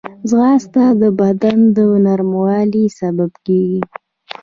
ځغاسته د بدن د نرموالي سبب کېږي